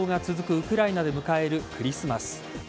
ウクライナで迎えるクリスマス。